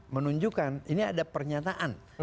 menunjukkan ini ada pernyataan